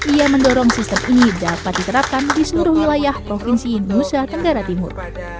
ia mendorong sistem ini dapat diterapkan di seluruh wilayah provinsi nusa tenggara timur